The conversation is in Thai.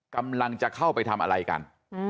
กำลังจะเข้าไปทำอะไรกัน